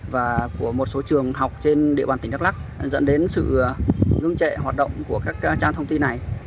và của một số trường học trên địa bàn tỉnh đắk lắc dẫn đến sự ngưng trệ hoạt động của các trang thông tin này